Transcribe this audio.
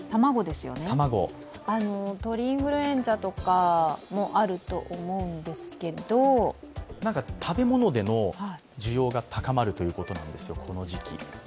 鳥インフルエンザとかもあると思うんですけど食べ物での需要が高まるということなんですよ、この時期。